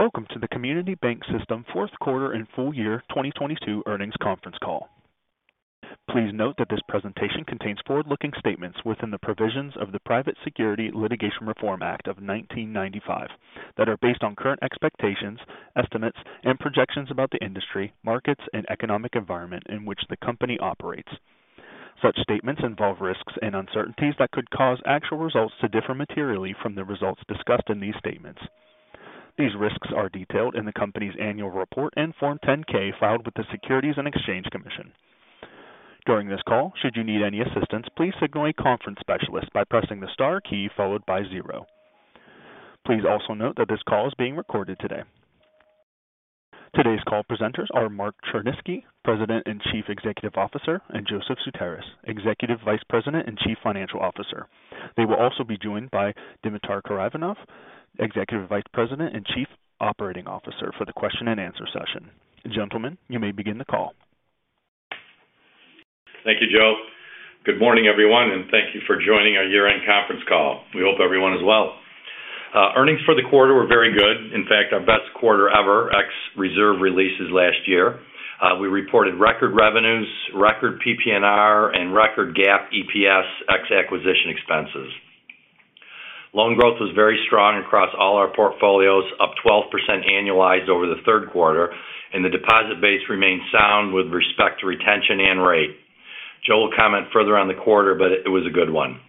Welcome to the Community Bank System Q4 and Full Year 2022 Earnings Conference Call. Please note that this presentation contains forward-looking statements within the provisions of the Private Securities Litigation Reform Act of 1995 that are based on current expectations, estimates, and projections about the industry, markets, and economic environment in which the company operates. Such statements involve risks and uncertainties that could cause actual results to differ materially from the results discussed in these statements. These risks are detailed in the company's annual report and Form 10-K filed with the Securities and Exchange Commission. During this call, should you need any assistance, please signal a conference specialist by pressing the star key followed by zero. Please also note that this call is being recorded today. Today's call presenters are Mark Tryniski, President and Chief Executive Officer, and Joseph Sutaris, Executive Vice President and Chief Financial Officer. They will also be joined by Dimitar Karaivanov, Executive Vice President and Chief Operating Officer, for the question and answer session. Gentlemen, you may begin the call. Thank you, Joe. Good morning, everyone. Thank you for joining our year-end conference call. We hope everyone is well. Earnings for the quarter were very good. In fact, our best quarter ever, ex-reserve releases last year. We reported record revenues, record PPNR, record GAAP EPS, ex-acquisition expenses. Loan growth was very strong across all our portfolios, up 12% annualized over the Q3. The deposit base remains sound with respect to retention and rate. Joe will comment further on the quarter. It was a good one.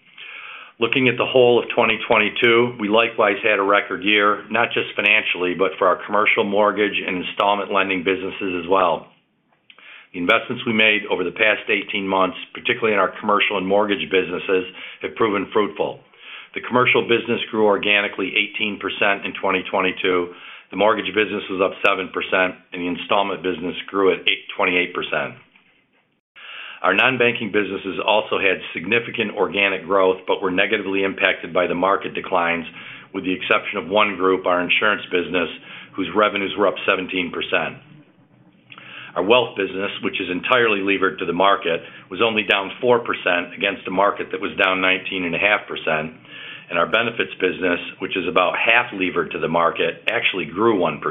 Looking at the whole of 2022, we likewise had a record year, not just financially, but for our commercial mortgage and installment lending businesses as well. Investments we made over the past 18 months, particularly in our commercial and mortgage businesses, have proven fruitful. The commercial business grew organically 18% in 2022. The mortgage business was up 7%, and the installment business grew at 28%. Our non-banking businesses also had significant organic growth but were negatively impacted by the market declines, with the exception of one group, our insurance business, whose revenues were up 17%. Our wealth business, which is entirely levered to the market, was only down 4% against a market that was down 19.5%. Our benefits business, which is about half levered to the market, actually grew 1%.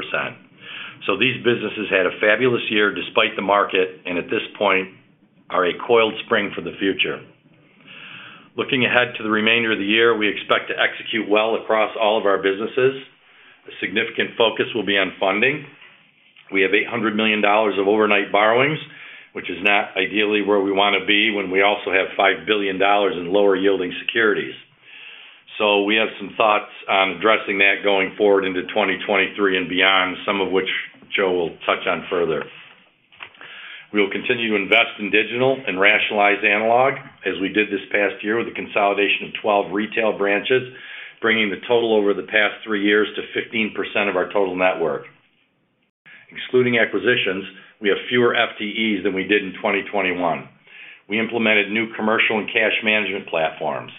These businesses had a fabulous year despite the market, and at this point, are a coiled spring for the future. Looking ahead to the remainder of the year, we expect to execute well across all of our businesses. A significant focus will be on funding. We have $800 million of overnight borrowings, which is not ideally where we want to be when we also have $5 billion in lower yielding securities. We have some thoughts on addressing that going forward into 2023 and beyond, some of which Joe will touch on further. We will continue to invest in digital and rationalize analog, as we did this past year with the consolidation of 12 retail branches, bringing the total over the past three years to 15% of our total network. Excluding acquisitions, we have fewer FTEs than we did in 2021. We implemented new commercial and cash management platforms.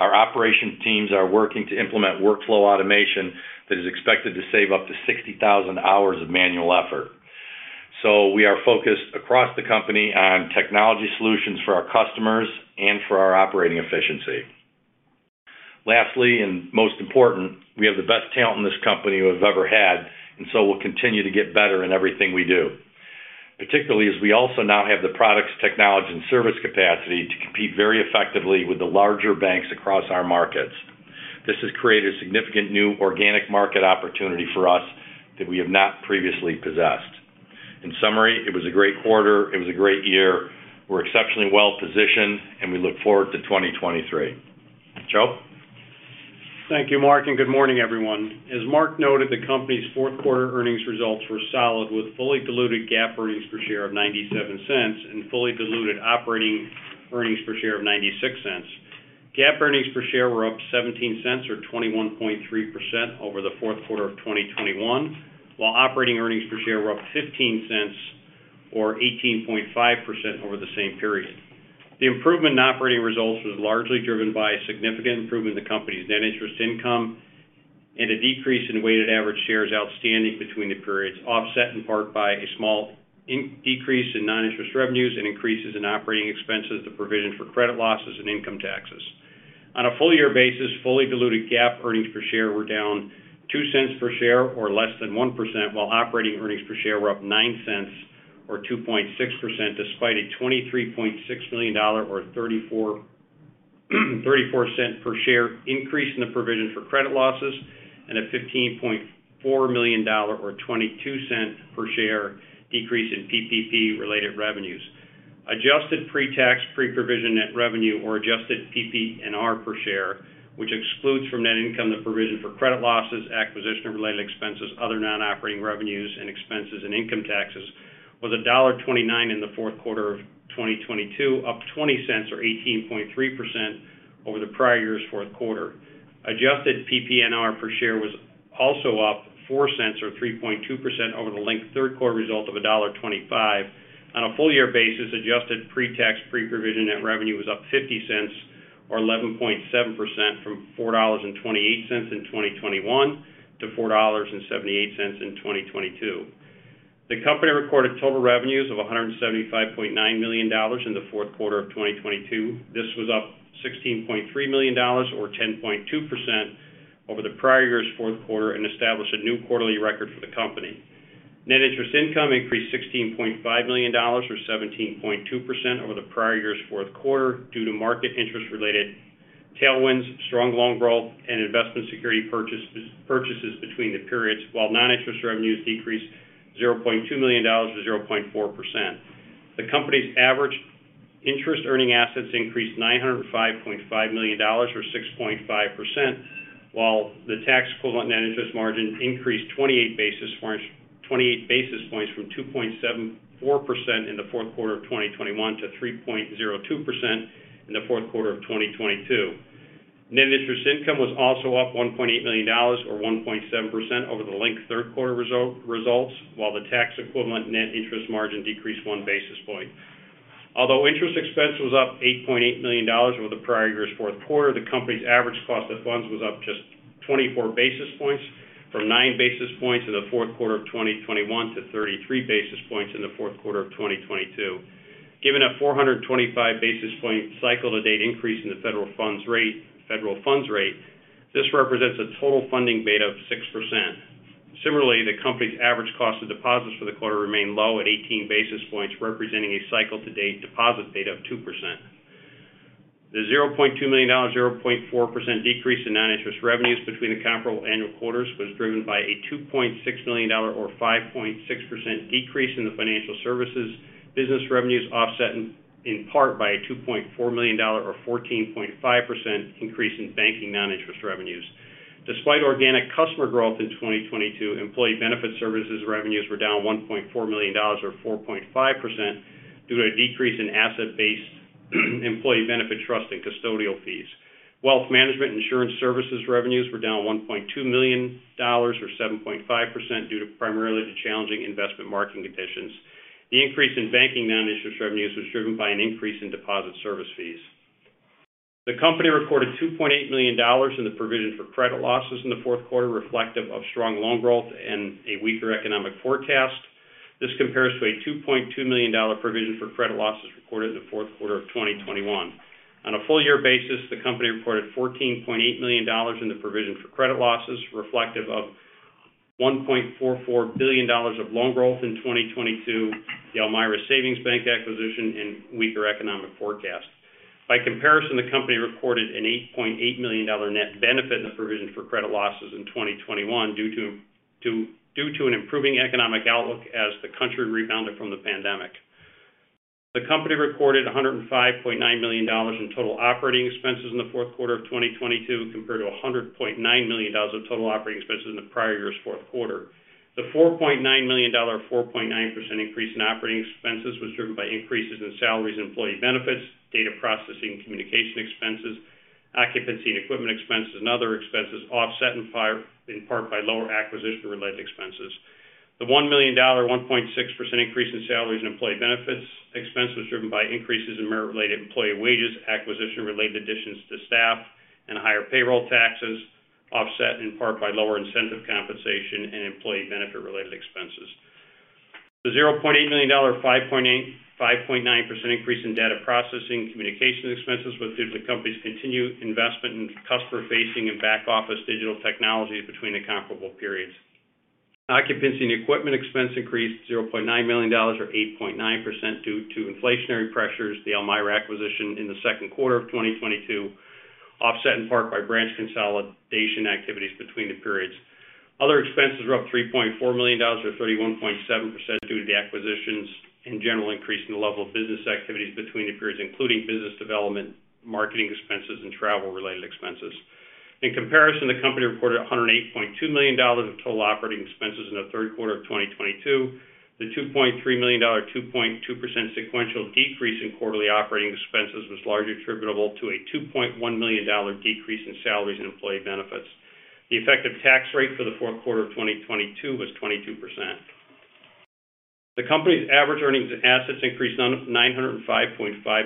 Our operations teams are working to implement workflow automation that is expected to save up to 60,000 hours of manual effort. We are focused across the company on technology solutions for our customers and for our operating efficiency. Lastly, most important, we have the best talent in this company we've ever had, and so we'll continue to get better in everything we do, particularly as we also now have the products, technology, and service capacity to compete very effectively with the larger banks across our markets. This has created a significant new organic market opportunity for us that we have not previously possessed. In summary, it was a great quarter. It was a great year. We're exceptionally well positioned, and we look forward to 2023. Joe? Thank you, Mark. Good morning, everyone. As Mark noted, the company's Q4 earnings results were solid, with fully diluted GAAP earnings per share of $0.97 and fully diluted operating earnings per share of $0.96. GAAP earnings per share were up $0.17, or 21.3% over the Q4 of 2021, while operating earnings per share were up $0.15 or 18.5% over the same period. The improvement in operating results was largely driven by a significant improvement in the company's net interest income and a decrease in weighted average shares outstanding between the periods, offset in part by a small decrease in non-interest revenues and increases in operating expenses, the provision for credit losses and income taxes. On a full year basis, fully diluted GAAP earnings per share were down $0.02 per share or less than 1%, while operating earnings per share were up $0.09 or 2.6% despite a $23.6 million or $0.34 per share increase in the provision for credit losses and a $15.4 million or $0.22 per share decrease in PPP-related revenues. Adjusted pre-tax, pre-provision net revenue or adjusted PPNR per share, which excludes from net income the provision for credit losses, acquisition-related expenses, other non-operating revenues and expenses, and income taxes, was $1.29 in the Q4 of 2022, up $0.20 or 18.3% over the prior year's Q4. Adjusted PPNR per share was also up $0.04 or 3.2% over the linked Q3 result of $1.25. On a full year basis, adjusted pre-tax, pre-provision net revenue was up $0.50 or 11.7% from $4.28 in 2021 to $4.78 in 2022. The company recorded total revenues of $175.9 million in the Q4 of 2022. This was up $16.3 million or 10.2% over the prior year's Q4 and established a new quarterly record for the company. Net Interest Income increased $16.5 million or 17.2% over the prior year's Q4 due to market interest related tailwinds, strong loan growth and investment security purchases between the periods, while non-interest revenues decreased $0.2 million to 0.4%. The company's average interest earning assets increased $905.5 million or 6.5%, while the tax equivalent net interest margin increased 28 basis points from 2.74% in the Q4 of 2021 to 3.02% in the Q4 of 2022. Net interest income was also up $1.8 million or 1.7% over the linked Q3 results, while the tax equivalent net interest margin decreased 1 basis point. Although interest expense was up $8.8 million over the prior year's Q4, the company's average cost of funds was up just 24 basis points from 9 basis points in the Q4 of 2021 to 33 basis points in the Q4 of 2022. Given a 425 basis point cycle-to-date increase in the federal funds rate, this represents a total funding beta of 6%. Similarly, the company's average cost of deposits for the quarter remained low at 18 basis points, representing a cycle-to-date deposit beta of 2%. The $0.2 million, 0.4% decrease in non-interest revenues between the comparable annual quarters was driven by a $2.6 million or 5.6% decrease in the financial services business revenues offset in part by a $2.4 million or 14.5% increase in banking non-interest revenues. Despite organic customer growth in 2022, employee benefit services revenues were down $1.4 million or 4.5% due to a decrease in asset-based employee benefit trust and custodial fees. Wealth management insurance services revenues were down $1.2 million or 7.5% due to primarily to challenging investment market conditions. The increase in banking non-interest revenues was driven by an increase in deposit service fees. The company reported $2.8 million in the provision for credit losses in the Q4 reflective of strong loan growth and a weaker economic forecast. This compares to a $2.2 million provision for credit losses recorded in the Q4 of 2021. On a full year basis, the company reported $14.8 million in the provision for credit losses reflective of $1.44 billion of loan growth in 2022, the Elmira Savings Bank acquisition and weaker economic forecast. By comparison, the company reported an $8.8 million net benefit in the provision for credit losses in 2021 due to an improving economic outlook as the country rebounded from the pandemic. The company reported $105.9 million in total operating expenses in the Q4 of 2022, compared to $100.9 million of total operating expenses in the prior year's Q4. The $4.9 million or 4.9% increase in operating expenses was driven by increases in salaries and employee benefits, data processing and communication expenses, occupancy and equipment expenses, and other expenses offset in part by lower acquisition related expenses. The $1 million, 1.6% increase in salaries and employee benefits expenses driven by increases in merit-related employee wages, acquisition related additions to staff, and higher payroll taxes, offset in part by lower incentive compensation and employee benefit related expenses. The $0.8 million, 5.9% increase in data processing communication expenses was due to the company's continued investment in customer facing and back office digital technologies between the comparable periods. Occupancy and equipment expense increased $0.9 million or 8.9% due to inflationary pressures, the Elmira acquisition in the Q2 of 2022, offset in part by branch consolidation activities between the periods. Other expenses were up $3.4 million or 31.7% due to the acquisitions and general increase in the level of business activities between the periods, including business development, marketing expenses, and travel related expenses. In comparison, the company reported $108.2 million of total operating expenses in the Q3 of 2022. The $2.3 million, 2.2% sequential decrease in quarterly operating expenses was largely attributable to a $2.1 million decrease in salaries and employee benefits. The effective tax rate for the Q4 of 2022 was 22%. The company's average earnings and assets increased $905.5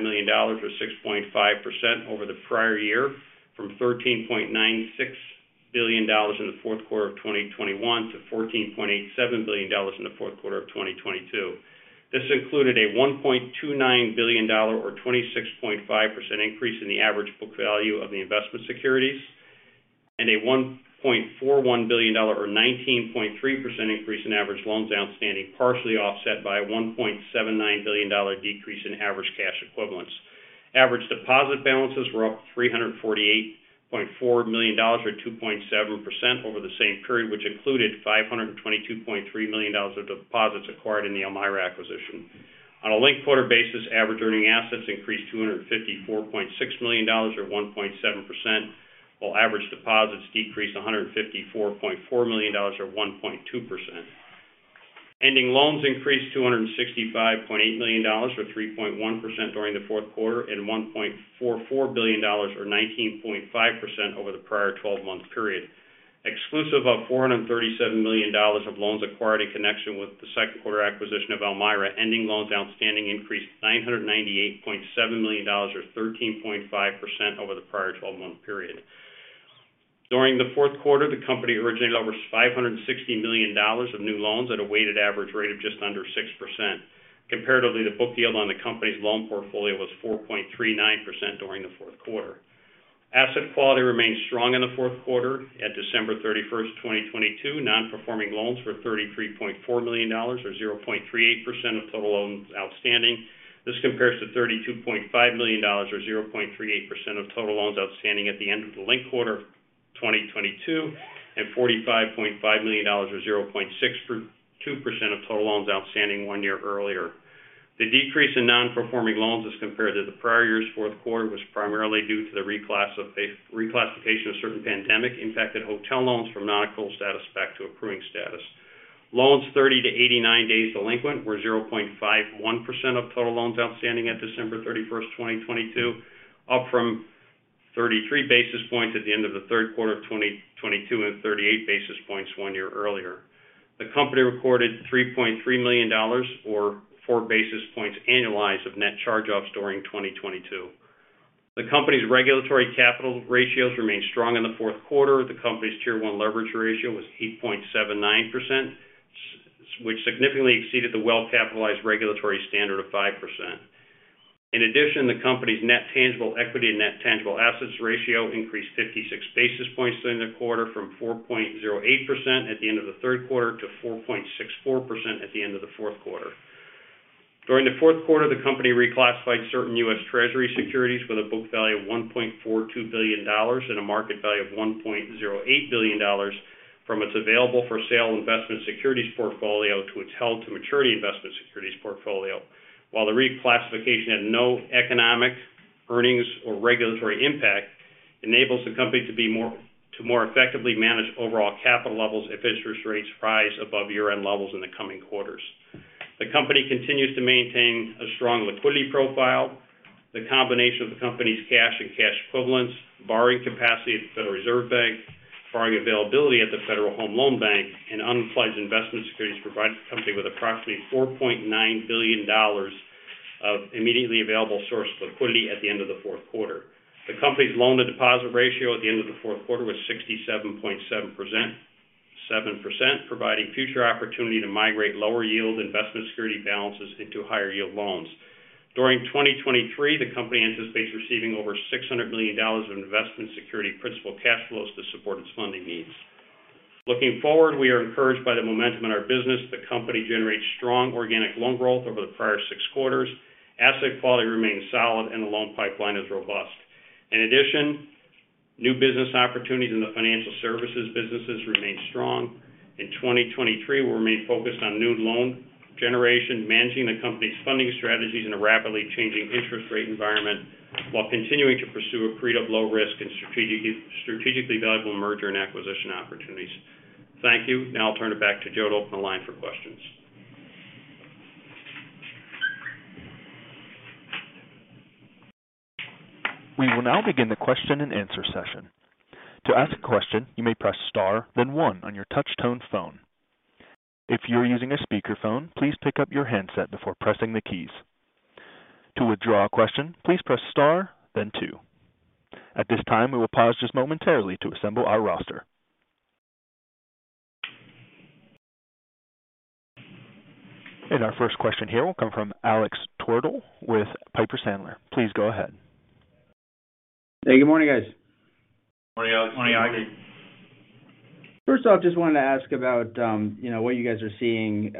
million or 6.5% over the prior year from $13.96 billion in the Q4 of 2021 to $14.87 billion in the Q4 of 2022. This included a $1.29 billion or 26.5% increase in the average book value of the investment securities and a $1.41 billion or 19.3% increase in average loans outstanding, partially offset by a $1.79 billion decrease in average cash equivalents. Average deposit balances were up $348.4 million or 2.7% over the same period, which included $522.3 million of deposits acquired in the Elmira acquisition. On a linked quarter basis, average earning assets increased to $254.6 million or 1.7%, while average deposits decreased to $154.4 million or 1.2%. Ending loans increased to $165.8 million or 3.1% during the Q4 and $1.44 billion or 19.5% over the prior 12-month period. Exclusive of $437 million of loans acquired in connection with the Q2 acquisition of Elmira, ending loans outstanding increased to $998.7 million or 13.5% over the prior 12-month period. During the Q4, the company originated over $560 million of new loans at a weighted average rate of just under 6%. Comparatively, the book yield on the company's loan portfolio was 4.39% during the Q4. Asset quality remained strong in the Q4. At December 31, 2022, non-performing loans were $33.4 million, or 0.38% of total loans outstanding. This compares to $32.5 million or 0.38% of total loans outstanding at the end of the linked quarter of 2022, and $45.5 million or 0.62% of total loans outstanding one year earlier. The decrease in non-performing loans as compared to the prior year's Q4 was primarily due to the reclassification of certain pandemic-infected hotel loans from non-accrual status back to accruing status. Loans 30 to 89 days delinquent were 0.51% of total loans outstanding at December 31st, 2022, up from 33 basis points at the end of the Q3 of 2022 and 38 basis points one year earlier. The company recorded $3.3 million or 4 basis points annualized of net charge-offs during 2022. The company's regulatory capital ratios remained strong in the Q4. The company's tier one leverage ratio was 8.79%, which significantly exceeded the well-capitalized regulatory standard of 5%. In addition, the company's net tangible equity and net tangible assets ratio increased 56 basis points during the quarter from 4.08% at the end of the Q3 to 4.64% at the end of the Q4. During the Q4, the company reclassified certain U.S. Treasury securities with a book value of $1.42 billion and a market value of $1.08 billion from its available-for-sale investment securities portfolio to its held to maturity investment securities portfolio. While the reclassification had no economic earnings or regulatory impact, enables the company to more effectively manage overall capital levels if interest rates rise above year-end levels in the coming quarters. The company continues to maintain a strong liquidity profile. The combination of the company's cash and cash equivalents, borrowing capacity at the Federal Reserve Bank, borrowing availability at the Federal Home Loan Bank, and unpledged investment securities provide the company with approximately $4.9 billion of immediately available source liquidity at the end of the Q4. The company's loan to deposit ratio at the end of the Q4 was 67.7%, providing future opportunity to migrate lower yield investment security balances into higher yield loans. During 2023, the company anticipates receiving over $600 million of investment security principal cash flows to support its funding needs. Looking forward, we are encouraged by the momentum in our business. The company generates strong organic loan growth over the prior six quarters. Asset quality remains solid and the loan pipeline is robust. New business opportunities in the financial services businesses remain strong. In 2023, we'll remain focused on new loan generation, managing the company's funding strategies in a rapidly changing interest rate environment while continuing to pursue accretive low risk and strategically valuable merger and acquisition opportunities. Thank you. I'll turn it back to Joe to open the line for questions. We will now begin the question and answer session. To ask a question, you may press star, then one on your touch tone phone. If you are using a speakerphone, please pick up your handset before pressing the keys. To withdraw a question, please press star then two. At this time, we will pause just momentarily to assemble our roster. And our first question here will come from Alex Twerdahl with Piper Sandler. Please go ahead. Hey, good morning, guys. Morning, Alex. First off, just wanted to ask about, you know, what you guys are seeing,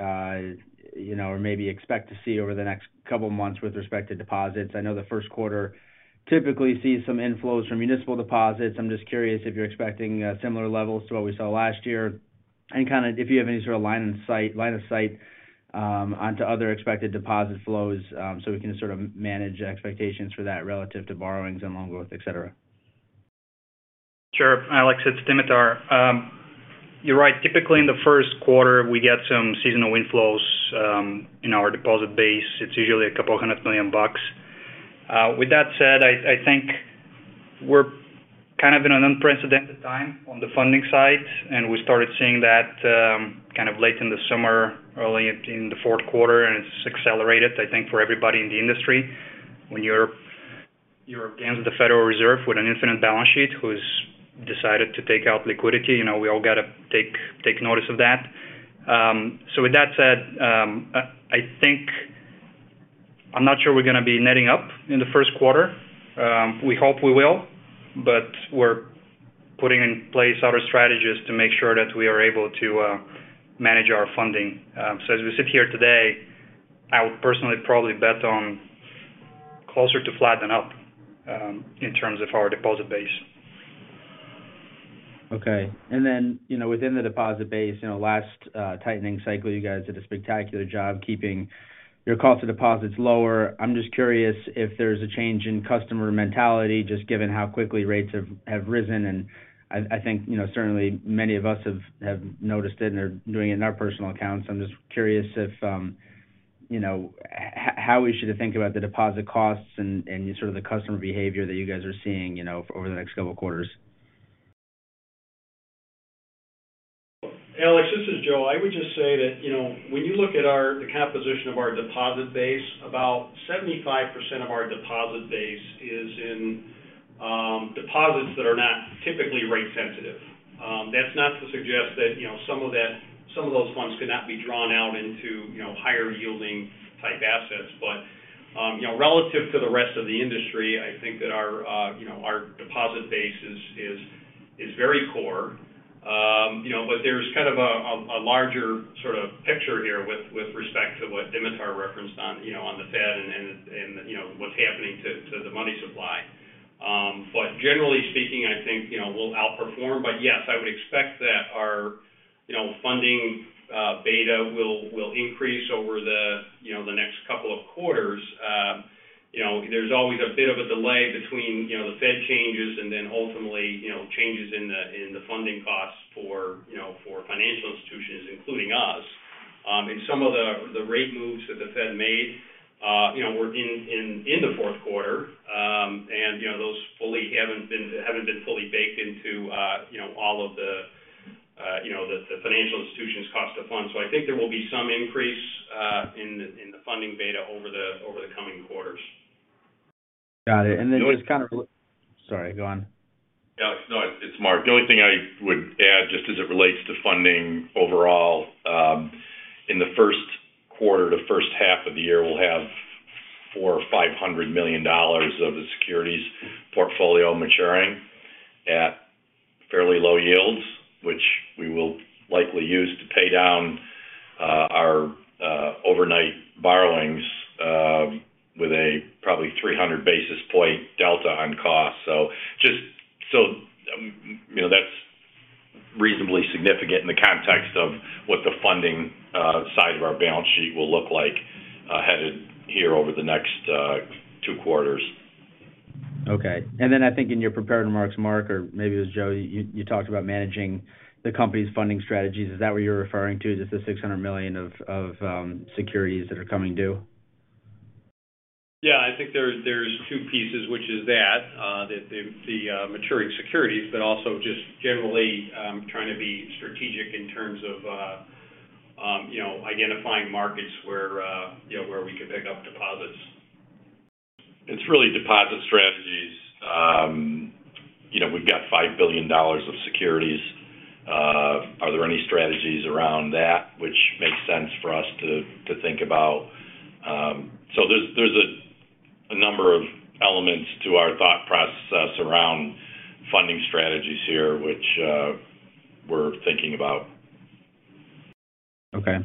you know, or maybe expect to see over the next couple of months with respect to deposits. I know the Q1 typically sees some inflows from municipal deposits. I'm just curious if you're expecting similar levels to what we saw last year and kind of if you have any sort of line of sight onto other expected deposit flows, so we can sort of manage expectations for that relative to borrowings and loan growth, etc. Sure. Alex, it's Dimitar. You're right. Typically in the Q1 we get some seasonal inflows in our deposit base. It's usually a couple hundred million dollars. With that said, I think we're kind of in an unprecedented time on the funding side. We started seeing that kind of late in the summer, early in the Q4. It's accelerated, I think, for everybody in the industry. When you're against the Federal Reserve with an infinite balance sheet who's decided to take out liquidity, you know, we all got to take notice of that. With that said, I think I'm not sure we're going to be netting up in the Q1. We hope we will, we're putting in place other strategies to make sure that we are able to manage our funding. As we sit here today, I would personally probably bet on closer to flat than up, in terms of our deposit base. Okay. You know, within the deposit base, you know, last tightening cycle, you guys did a spectacular job keeping your cost of deposits lower. I'm just curious if there's a change in customer mentality just given how quickly rates have risen. I think, you know, certainly many of us have noticed it and are doing it in our personal accounts. I'm just curious if, you know, how we should think about the deposit costs and sort of the customer behavior that you guys are seeing, you know, over the next couple of quarters. Alex, this is Joe. I would just say that, you know, when you look at the composition of our deposit base, about 75% of our deposit base is in, deposits that are not typically rate sensitive. That's not to suggest that, you know, some of those funds could not be drawn out into, you know, higher yielding type assets. You know, relative to the rest of the industry, I think that our, you know, our deposit base is very core. You know, but there's kind of a larger sort of picture here with respect to what Dimitar referenced on, you know, on the Fed and, you know, what's happening to the money supply. Generally speaking, I think, you know, we'll outperform. Yes, I would expect that our, you know, funding beta will increase over the, you know, the next couple of quarters. You know, there's always a bit of a delay between, you know, the Fed changes and then ultimately, you know, changes in the, in the funding costs for, you know, for financial institutions, including us. Some of the rate moves that the Fed made, you know, were in the Q4. You know, those fully haven't been fully baked into, you know, all of the, you know, the financial institution's cost of funds. I think there will be some increase in the, in the funding beta over the, over the coming quarters. Got it. The only- Sorry, go on. Alex, no, it's Mark. The only thing I would add, just as it relates to funding overall, in the Q1 to H1 of the year, we'll have $400 million-$500 million of the securities portfolio maturing at fairly low yields, which we will likely use to pay down our overnight borrowings with a probably 300 basis point delta on cost. Just so, you know, that's reasonably significant in the context of what the funding side of our balance sheet will look like headed here over the next two quarters. Okay. Then I think in your prepared remarks, Mark, or maybe it was Joe, you talked about managing the company's funding strategies. Is that what you're referring to, just the $600 million of securities that are coming due? Yeah, I think there's two pieces, which is that, the maturing securities, but also just generally, trying to be strategic in terms of, you know, identifying markets where, you know, where we could pick up deposits. It's really deposit strategies. You know, we've got $5 billion of securities. Are there any strategies around that which makes sense for us to think about? There's a number of elements to our thought process around funding strategies here which, we're thinking about. Okay.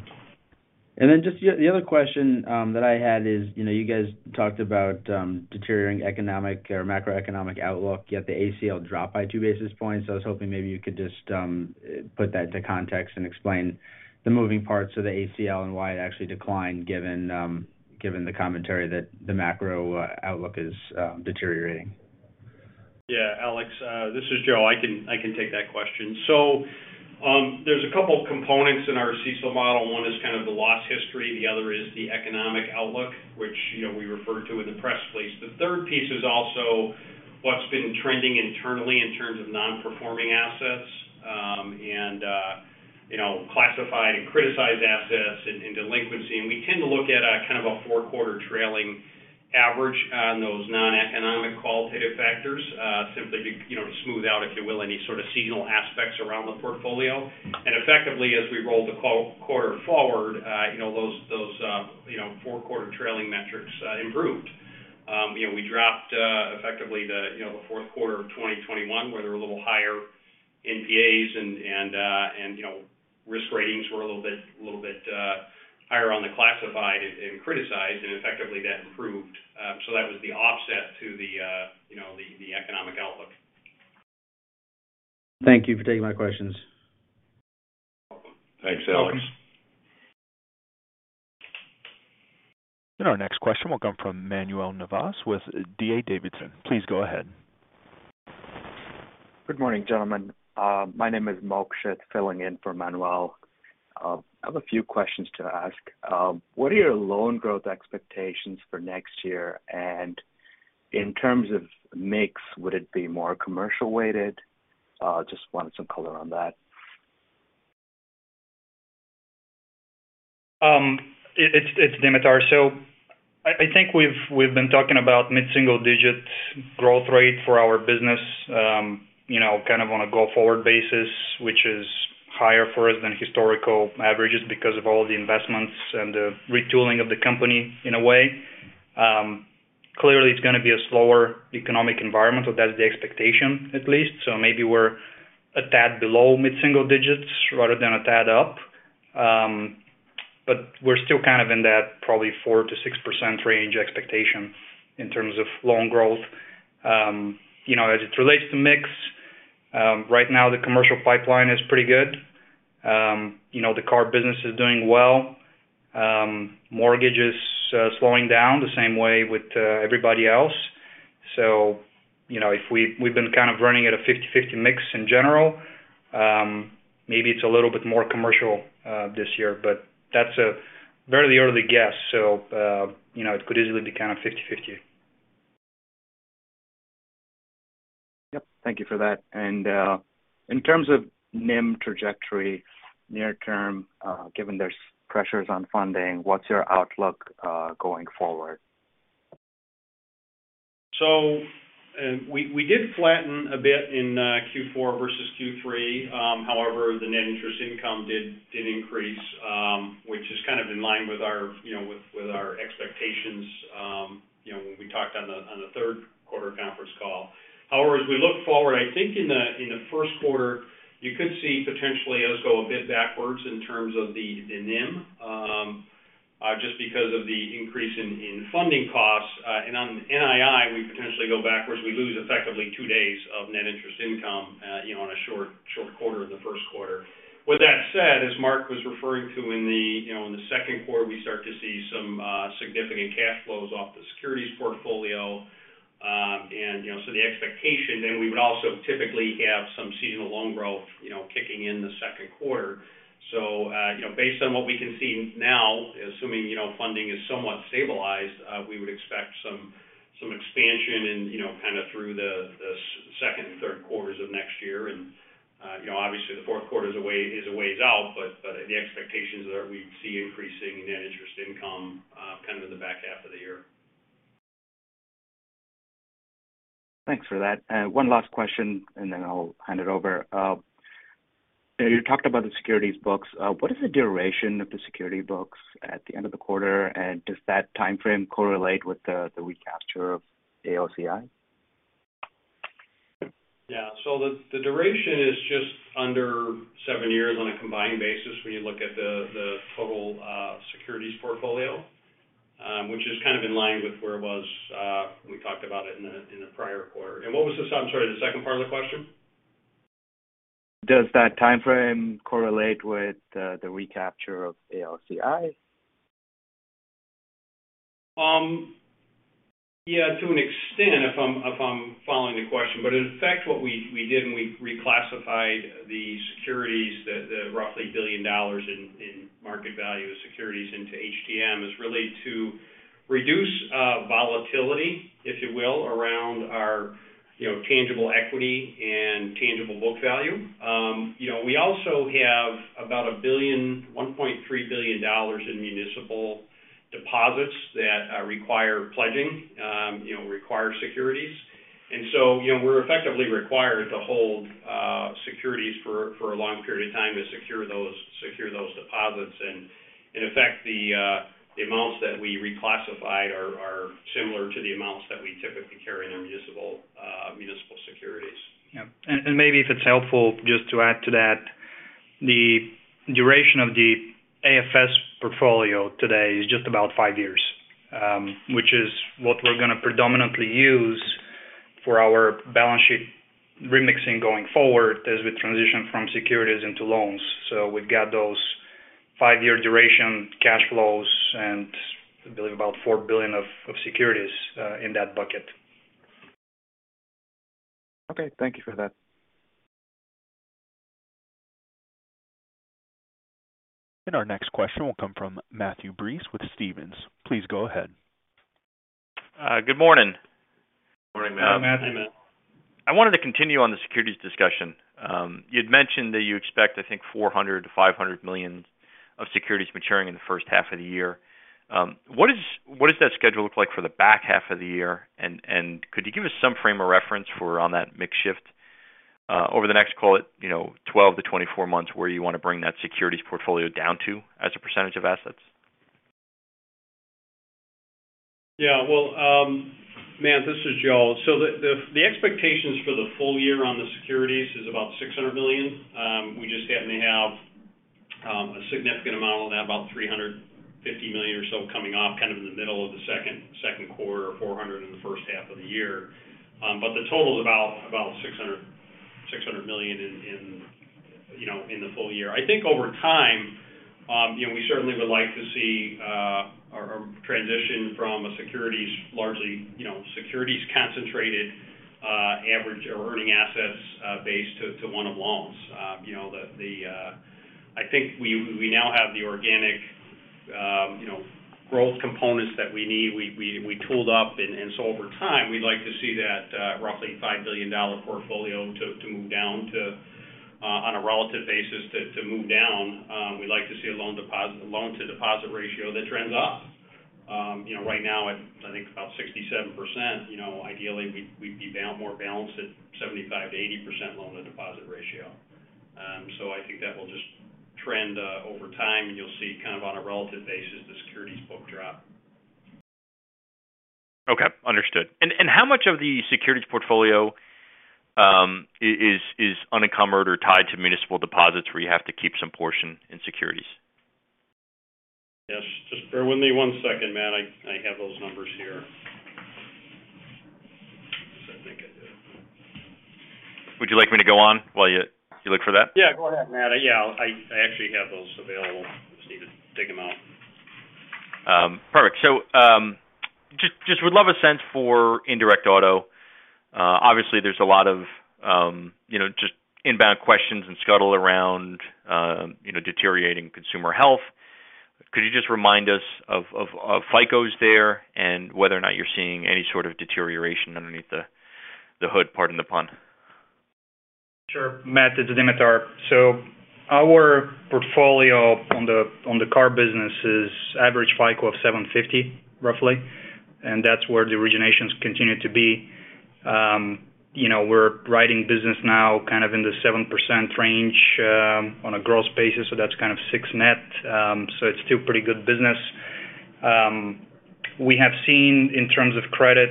Just the other question that I had is, you know, you guys talked about deteriorating economic or macroeconomic outlook, yet the ACL dropped by 2 basis points. I was hoping maybe you could just put that into context and explain the moving parts of the ACL and why it actually declined given the commentary that the macro outlook is deteriorating. Yeah. Alex, this is Joe. I can take that question. There's a couple of components in our CECL model. One is kind of the loss history, the other is the economic outlook, which, you know, we refer to in the press release. The third piece is also what's been trending internally in terms of non-performing assets, and, you know, classified and criticized assets and delinquency. We tend to look at a kind of a four-quarter trailing average on those non-economic qualitative factors, simply to, you know, to smooth out, if you will, any sort of seasonal aspects around the portfolio. Effectively, as we roll the quarter forward, you know, those, you know, four-quarter trailing metrics improved. You know, we dropped, effectively the, you know, the Q4 of 2021, where there were a little higher NPAs and you know, risk ratings were a little bit higher on the classified and criticized, and effectively that improved. That was the offset to the, you know, the economic outlook. Thank you for taking my questions. Thanks, Alex. Okay. Our next question will come from Manuel Navas with D.A. Davidson. Please go ahead. Good morning, gentlemen. My name is Mokshith filling in for Manuel. I have a few questions to ask. What are your loan growth expectations for next year? In terms of mix, would it be more commercial weighted? Just wanted some color on that. It's Dimitar. I think we've been talking about mid-single digit growth rate for our business, you know, kind of on a go-forward basis, which is higher for us than historical averages because of all the investments and the retooling of the company in a way. Clearly it's going to be a slower economic environment. That is the expectation at least. Maybe we're a tad below mid-single digits rather than a tad up. We're still kind of in that probably 4%-6% range expectation in terms of loan growth. You know, as it relates to mix, right now the commercial pipeline is pretty good. You know, the car business is doing well. Mortgage is slowing down the same way with everybody else. you know, if we've been kind of running at a 50/50 mix in general. maybe it's a little bit more commercial this year. that's a very early guess, you know, it could easily be kind of 50/50. Yep. Thank you for that. In terms of NIM trajectory near term, given there's pressures on funding, what's your outlook, going forward? We did flatten a bit in Q4 versus Q3. However, the net interest income did increase, which is kind of in line with our, you know, with our expectations, you know, when we talked on the Q3 conference call. However, as we look forward, I think in the Q1, you could see potentially us go a bit backwards in terms of the NIM, just because of the increase in funding costs. On NII, we potentially go backwards. We lose effectively two days of net interest income, you know, on a short quarter in the Q1. With that said, as Mark was referring to in the, you know, in the Q2, we start to see some significant cash flows off the securities portfolio. The expectation then we would also typically have some seasonal loan growth, you know, kicking in the Q2. Based on what we can see now, assuming, you know, funding is somewhat stabilized, we would expect some expansion and, you know, kind of through the Q2 and Q3 of next year. Obviously the Q4 is a ways out, but the expectations are we'd see increasing net interest income, kind of in the back half of the year. Thanks for that. One last question and then I'll hand it over. You talked about the securities books. What is the duration of the security books at the end of the quarter? Does that timeframe correlate with the recapture of AOCI? Yeah. The, the duration is just under seven years on a combined basis when you look at the total, securities portfolio, which is kind of in line with where it was, when we talked about it in the, in the prior quarter. What was the I'm sorry, the second part of the question? Does that timeframe correlate with the recapture of AOCI? Yeah, to an extent, if I'm following the question. In effect, what we did when we reclassified the securities, the roughly $1 billion in market value of securities into HTM is really to reduce volatility, if you will, around our, you know, tangible equity and tangible book value. You know, we also have about $1.3 billion in municipal deposits that require pledging, you know, require securities. So, you know, we're effectively required to hold securities for a long period of time to secure those deposits. In effect, the amounts that we reclassify are similar to the amounts that we typically carry in our municipal securities. Yeah. Maybe if it's helpful just to add to that, the duration of the AFS portfolio today is just about five years, which is what we're going to predominantly use for our balance sheet remixing going forward as we transition from securities into loans. We've got those five-year duration cash flows and I believe about $4 billion of securities in that bucket. Okay. Thank you for that. Our next question will come from Matthew Breese with Stephens. Please go ahead. Good morning. Morning, Matt. Morning, Matt. I wanted to continue on the securities discussion. you'd mentioned that you expect, I think, $400 million-$500 million of securities maturing in the H1 of the year. What does that schedule look like for the back half of the year? Could you give us some frame of reference for on that mix shift, over the next, call it, you know, 12-24 months where you want to bring that securities portfolio down to as a percentage of assets? Well, Matt, this is Joe. The expectations for the full year on the securities is about $600 million. We just happen to have a significant amount of that, about $350 million or so coming off kind of in the middle of the Q2, $400 million in the H1 of the year. The total is about $600 million in, you know, in the full year. I think over time, you know, we certainly would like to see our transition from a securities largely, you know, securities concentrated average or earning assets base to one of loans. You know, I think we now have the organic, you know, growth components that we need. We tooled up. Over time, we'd like to see that roughly $5 billion portfolio to move down on a relative basis to move down. We'd like to see a loan to deposit ratio that trends up. You know, right now at, I think it's about 67%, you know, ideally we'd be more balanced at 75%-80% loan to deposit ratio. I think that will just trend over time, and you'll see kind of on a relative basis the securities book drop. Okay. Understood. How much of the securities portfolio is unencumbered or tied to municipal deposits where you have to keep some portion in securities? Yes. Just bear with me one second, Matt. I have those numbers here. Yes, I think I do. Would you like me to go on while you look for that? Go ahead, Matt. I actually have those available. Just need to dig them out. Perfect. Just would love a sense for indirect auto. Obviously there's a lot of, you know, just inbound questions and scuttle around, you know, deteriorating consumer health. Could you just remind us of FICOs there and whether or not you're seeing any sort of deterioration underneath the hood? Pardon the pun. Sure. Matt, this is Dimitar. Our portfolio on the car business is average FICO of 750, roughly. That's where the originations continue to be. You know, we're writing business now kind of in the 7% range on a gross basis, that's kind of six net. It's still pretty good business. We have seen in terms of credit,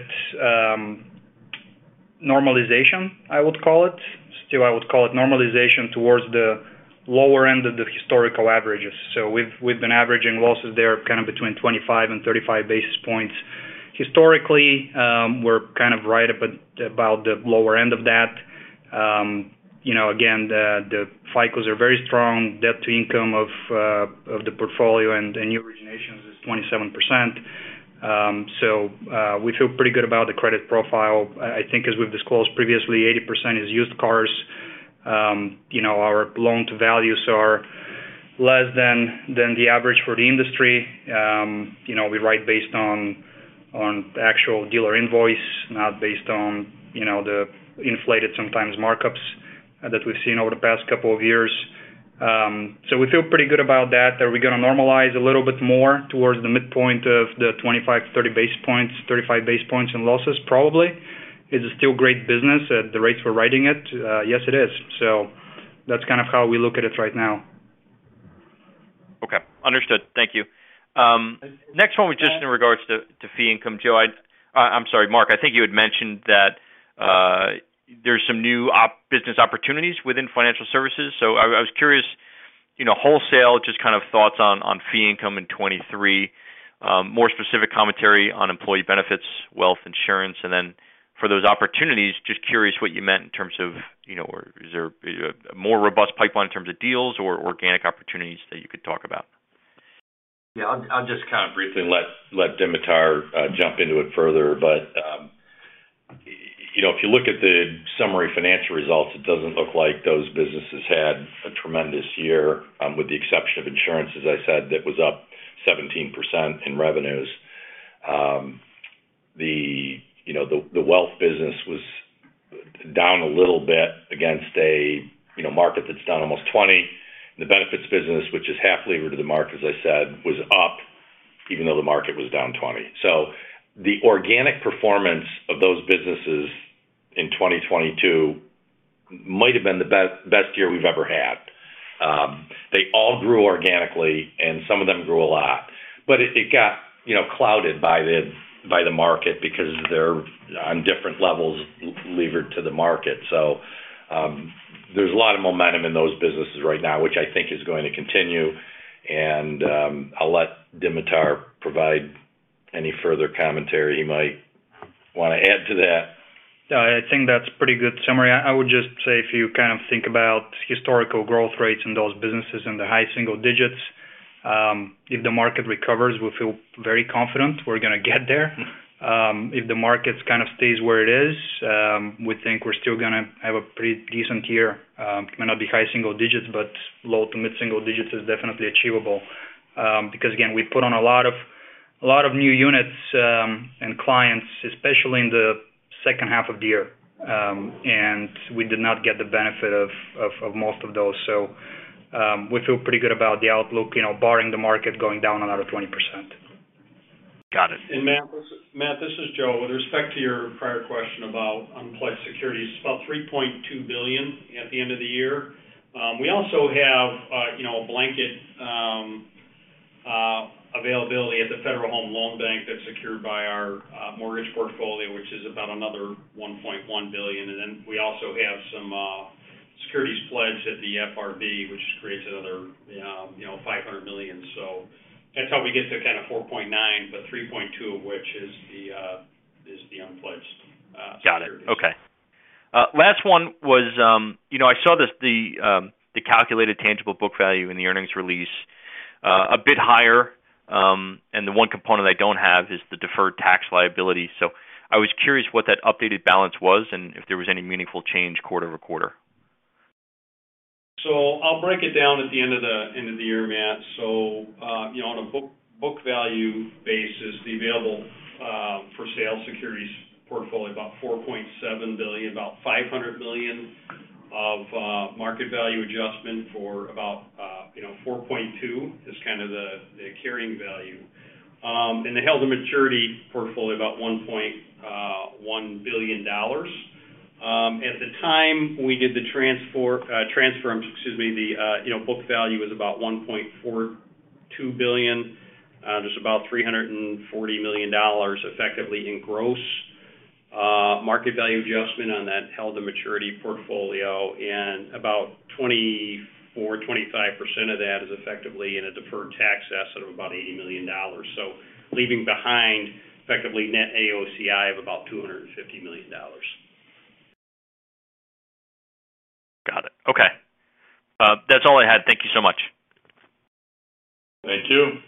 normalization, I would call it. Still I would call it normalization towards the lower end of the historical averages. We've been averaging losses there kind of between 25 and 35 basis points. Historically, we're kind of right about the lower end of that. You know, again, the FICOs are very strong, debt to income of the portfolio and new originations is 27%. We feel pretty good about the credit profile. I think as we've disclosed previously, 80% is used cars. You know, our loan to values are less than the average for the industry. You know, we write based on the actual dealer invoice, not based on, you know, the inflated sometimes markups that we've seen over the past couple of years. We feel pretty good about that. Are we going to normalize a little bit more towards the midpoint of the 25, 35 basis points in losses? Probably. Is it still great business at the rates we're writing it? Yes, it is. That's kind of how we look at it right now. Okay. Understood. Thank you. Next one was just in regards to fee income. Joe, I'm sorry, Mark, I think you had mentioned that, there's some new business opportunities within financial services. I was curious, you know, wholesale, just kind of thoughts on fee income in 2023, more specific commentary on employee benefits, wealth insurance, and then for those opportunities, just curious what you meant in terms of, you know, or is there a more robust pipeline in terms of deals or organic opportunities that you could talk about? Yeah. I'll just kind of briefly let Dimitar jump into it further. You know, if you look at the summary financial results, it doesn't look like those businesses had a tremendous year, with the exception of insurance, as I said, that was up 17% in revenues. The wealth business was down a little bit against a, you know, market that's down almost 20. The benefits business, which is half levered to the market, as I said, was up even though the market was down 20. The organic performance of those businesses in 2022 might have been the best year we've ever had. They all grew organically and some of them grew a lot. It got, you know, clouded by the market because they're on different levels levered to the market. There's a lot of momentum in those businesses right now, which I think is going to continue. I'll let Dimitar provide any further commentary he might want to add to that. No, I think that's pretty good summary. I would just say if you kind of think about historical growth rates in those businesses in the high single digits, if the market recovers, we feel very confident we're going to get there. If the market kind of stays where it is, we think we're still going to have a pretty decent year. It may not be high single digits, but low to mid single digits is definitely achievable. Because again, we put on a lot of new units, and clients, especially in the H2 of the year. We did not get the benefit of most of those. We feel pretty good about the outlook, you know, barring the market going down another 20%. Got it. Matt, this is Joe. With respect to your prior question about unpledged securities, it's about $3.2 billion at the end of the year. We also have, you know, a blanket availability at the Federal Home Loan Bank that's secured by our mortgage portfolio, which is about another $1.1 billion. We also have some securities pledged at the FRB, which creates another, you know, $500 million. That's how we get to kind of $4.9 billion, but $3.2 billion of which is the unpledged securities. Got it. Okay. Last one was, you know, I saw this the calculated tangible book value in the earnings release, a bit higher. The one component I don't have is the deferred tax liability. I was curious what that updated balance was and if there was any meaningful change quarter-over-quarter. I'll break it down at the end of the year, Matt. You know, on a book value basis, the available-for-sale securities portfolio, about $4.7 billion. About $500 million of market value adjustment for about, you know, $4.2 is kind of the carrying value. The held to maturity portfolio about $1.1 billion. At the time we did the transfer, excuse me, the, you know, book value was about $1.42 billion. There's about $340 million effectively in gross market value adjustment on that held to maturity portfolio. About 24%-25% of that is effectively in a deferred tax asset of about $80 million. Leaving behind effectively net AOCI of about $250 million. Got it. Okay. That's all I had. Thank you so much. Thank you.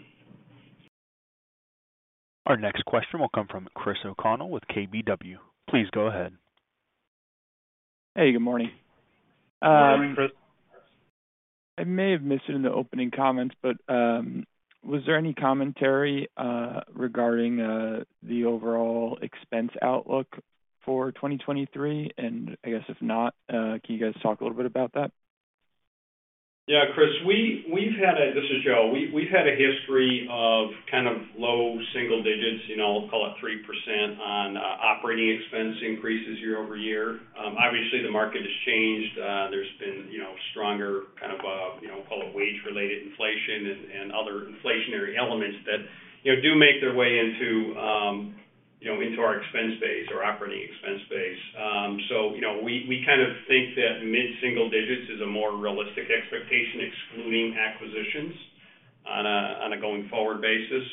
Our next question will come from Chris O'Connell with KBW. Please go ahead. Hey, good morning. Good morning, Chris. I may have missed it in the opening comments, but, was there any commentary regarding the overall expense outlook for 2023? I guess if not, can you guys talk a little bit about that? Chris, This is Joe. We've had a history of kind of low single digits, you know, call it 3% on operating expense increases year-over-year. Obviously the market has changed. There's been, you know, stronger kind of, you know, call it wage related inflation and other inflationary elements that, you know, do make their way into, you know, into our expense base or operating expense base. You know, we kind of think that mid-single digits is a more realistic expectation, excluding acquisitions on a going forward basis,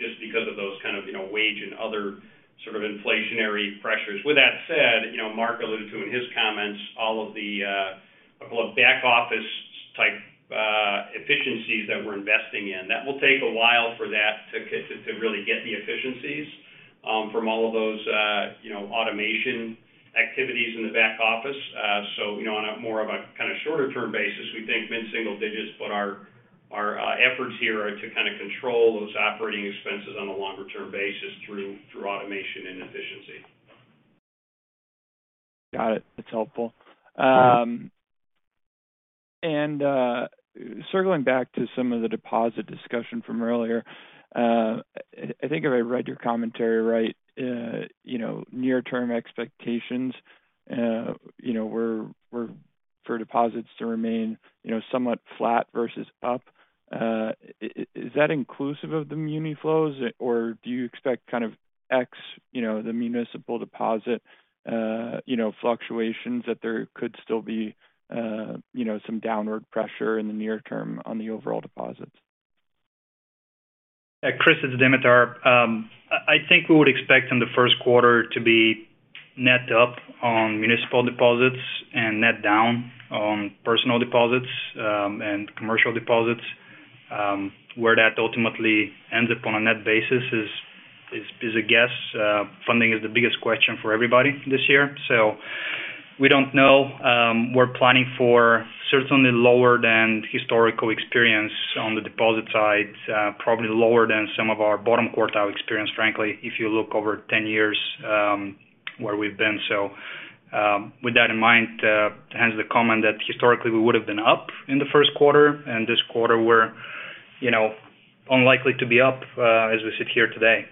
just because of those kind of, you know, wage and other sort of inflationary pressures. With that said, you know, Mark alluded to in his comments all of the, call it back office type, efficiencies that we're investing in. That will take a while for that to really get the efficiencies, from all of those, you know, automation activities in the back office. You know, on a more of a kind of shorter term basis, we think mid-single digits. But our efforts here are to kind of control those operating expenses on a longer term basis through automation and efficiency. Got it. That's helpful. Circling back to some of the deposit discussion from earlier, I think if I read your commentary right, you know, near term expectations, you know, were for deposits to remain, you know, somewhat flat versus up. Is that inclusive of the muni flows, or do you expect kind of X, you know, the municipal deposit, you know, fluctuations that there could still be, you know, some downward pressure in the near term on the overall deposits? Yeah, Chris, it's Dimitar. I think we would expect in the Q1 to be net up on municipal deposits and net down on personal deposits, and commercial deposits. Where that ultimately ends up on a net basis is a guess. Funding is the biggest question for everybody this year. We don't know. We're planning for certainly lower than historical experience on the deposit side, probably lower than some of our bottom quartile experience, frankly, if you look over 10 years, where we've been. With that in mind, hence the comment that historically we would have been up in the Q1 and this quarter we're, you know, unlikely to be up, as we sit here today.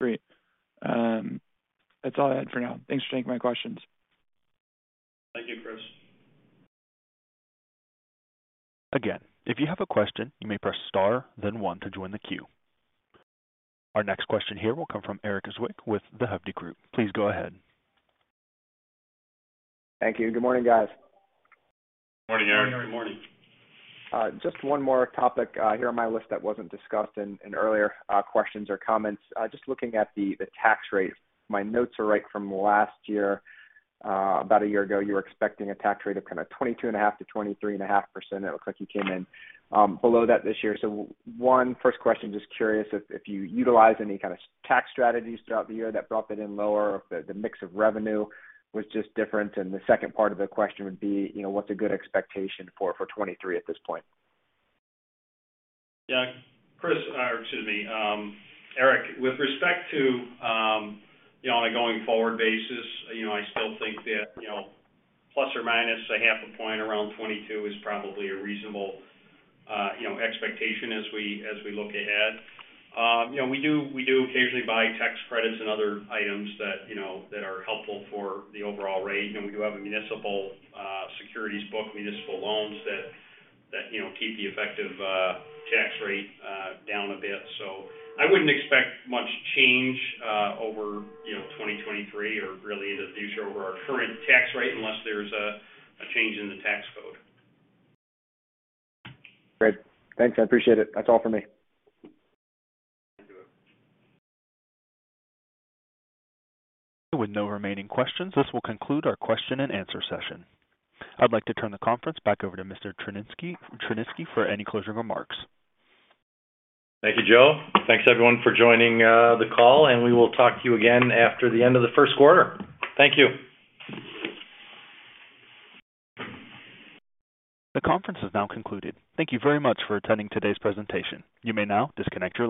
Great. That's all I had for now. Thanks for taking my questions. Thank you, Chris. Again, if you have a question, you may press star then one to join the queue. Our next question here will come from Erik Zwick with The Hovde Group. Please go ahead. Thank you. Good morning, guys. Morning, Erik. Good morning. Just one more topic here on my list that wasn't discussed in earlier questions or comments. Just looking at the tax rate. If my notes are right from last year, about a year ago, you were expecting a tax rate of kind of 22.5%-23.5%. It looks like you came in below that this year. One first question, just curious if you utilized any kind of tax strategies throughout the year that brought that in lower or if the mix of revenue was just different. The second part of the question would be, you know, what's a good expectation for 2023 at this point? Yeah. Or excuse me, Erik. With respect to, you know, on a going forward basis, you know, I still think that, you know, ±0.5 points around 22 is probably a reasonable, you know, expectation as we, as we look ahead. You know, we do occasionally buy tax credits and other items that, you know, that are helpful for the overall rate. You know, we do have a municipal securities book, municipal loans that, you know, keep the effective tax rate down a bit. I wouldn't expect much change over, you know, 2023, or really into the future over our current tax rate unless there's a change in the tax code. Great. Thanks, I appreciate it. That's all for me. Thank you. With no remaining questions, this will conclude our question and answer session. I'd like to turn the conference back over to Mr. Tryniski for any closing remarks. Thank you, Joe. Thanks, everyone for joining the call. We will talk to you again after the end of the Q1. Thank you. The conference is now concluded. Thank you very much for attending today's presentation. You may now disconnect your line.